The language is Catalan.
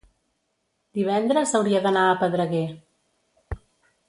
Divendres hauria d'anar a Pedreguer.